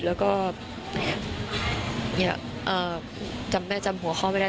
แล้วก็จำแม่จำหัวเขาไม่ได้